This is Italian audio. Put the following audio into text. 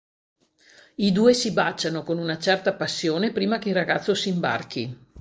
I due si baciano con una certa passione prima che il ragazzo si imbarchi.